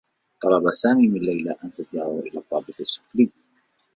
طلب سامي من ليلى أن تتبعه إلى الطّابق السّفلي.